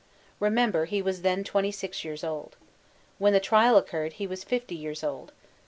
Remember he was then 26 years old. When the trial occurred, he was 50 years old.